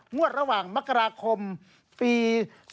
งวดระหว่างมกราคมปี๒๕๖